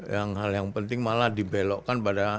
yang hal yang penting malah dibelokkan pada